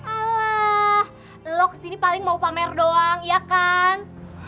alah lo kesini paling mau pamer doang iya kan